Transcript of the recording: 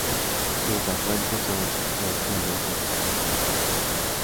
Sus afluentes son riachuelos de escasa entidad.